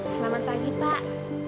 selamat pagi pak